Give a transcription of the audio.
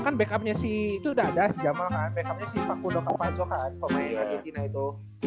ya kan back upnya si itu udah ada si jamal kan back upnya si facundo cavazzo kan pemain argentina itu